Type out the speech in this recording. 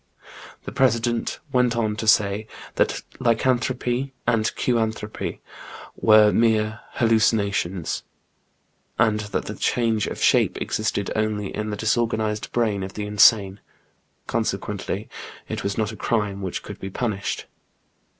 The president went on to say that Lycan JEAN GRENIER. 97 thropy and Kuanthropy were mere hallucinations, and that the change of shape existed only in the disorganized ^^ brain of the insane, consequently it was not a crime which could be punished.